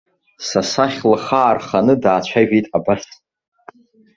Са сахь лхы аарханы даацәажәеит абас.